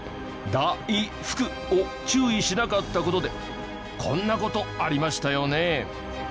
「だ・い・ふく」を注意しなかった事でこんな事ありましたよね？